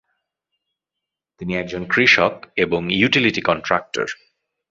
তিনি একজন কৃষক এবং ইউটিলিটি কন্ট্রাক্টর।